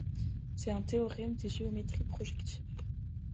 C'est un théorème de géométrie projective.